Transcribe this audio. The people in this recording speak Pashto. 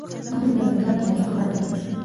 محمود د فتح خان په ملاتړ ښار ته داخل شو.